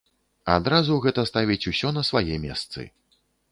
Адразу гэта ставіць усё на свае месцы.